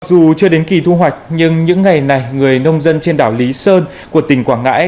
dù chưa đến kỳ thu hoạch nhưng những ngày này người nông dân trên đảo lý sơn của tỉnh quảng ngãi